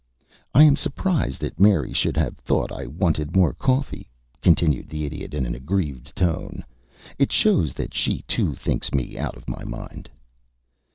"I am surprised that Mary should have thought I wanted more coffee," continued the Idiot, in an aggrieved tone. "It shows that she too thinks me out of my mind."